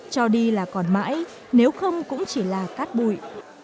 cho đi là còn mãi nếu không cũng chỉ là cát bụi